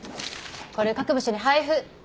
これ各部署に配布。